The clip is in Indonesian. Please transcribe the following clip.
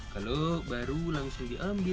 lalu baru langsung diambil